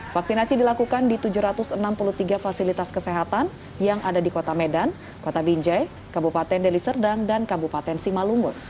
vaksinasi dilakukan di tujuh ratus enam puluh tiga fasilitas kesehatan yang ada di kota medan kota binjai kabupaten deli serdang dan kabupaten simalungun